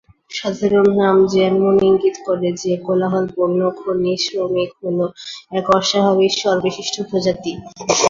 সাধারণ নাম যেমন ইঙ্গিত করে যে, কোলাহলপূর্ণ খনিশ্রমিক হল এক অস্বাভাবিক স্বরবিশিষ্ট প্রজাতি।